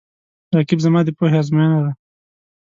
رقیب زما د پوهې آزموینه ده